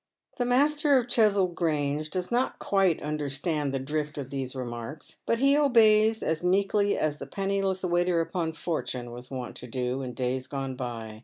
The master of Cheswold Grange does not quite understand the drift of these remarks, but he obeys as meekly as the penniless waiter upon fortune was wont to do in days gone by.